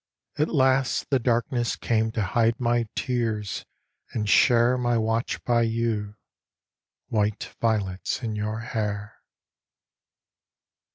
At last The darkness came to hide my tears and share My watch by you, white violets in your hair.